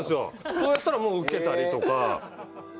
そうやったらウケたりとか。